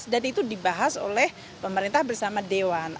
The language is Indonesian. dan itu dibahas oleh pemerintah bersama dewan